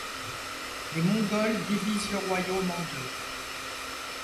Les Mongols divisent le royaume en deux.